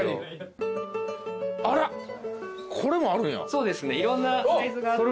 そうですねいろんなサイズがあって。